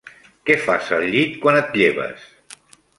Què fas al llit quan et lleves?